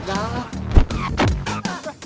bang jalan jalan